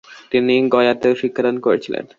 তিনি গয়াতেও শিক্ষাদান করেছিলেন।